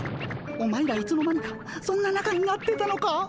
お前らいつの間にかそんななかになってたのか。